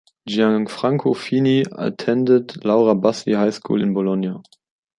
Gianfranco Fini attended "Laura Bassi" high school in Bologna.